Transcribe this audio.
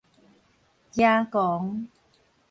誠狂